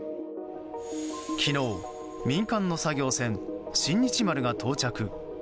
昨日、民間の作業船「新日丸」が到着。